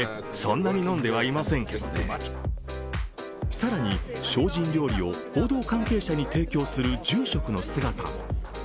更に、精進料理を報道関係者に提供する住職の姿も。